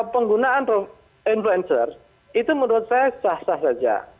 penggunaan influencer itu menurut saya sah sah saja